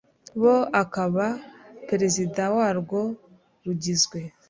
bo akaba Perezida warwo Rugizwe